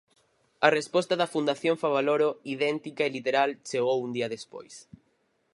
A resposta da Fundación Favaloro, idéntica e literal, chegou un día despois.